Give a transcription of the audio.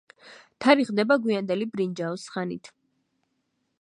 თარიღდება გვიანდელი ბრინჯაოს ხანით.